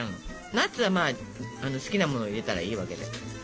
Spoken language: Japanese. ナッツは好きなものを入れたらいいわけで。